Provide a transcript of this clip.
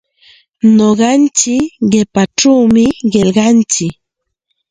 Nuqantsik qichpachawmi qillqantsik.